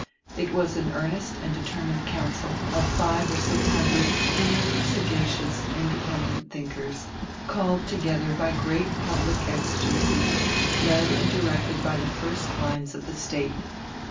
It was an earnest and determined council of five or six hundred cool, sagacious, independent thinkers, called together by a great public exigency, led and directed by the first minds of the State.